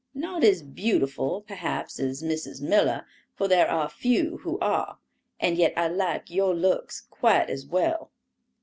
Not as beautiful, perhaps, as Mrs. Miller, for there are few who are, and yet I like your looks quite as well."